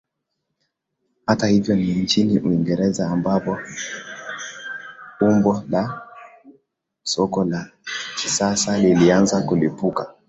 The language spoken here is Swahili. Hata hivyo ni nchini Uingereza ambapo umbo la soka la kisasa lilianza kulipuka